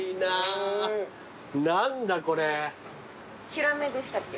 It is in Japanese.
ヒラメでしたっけ？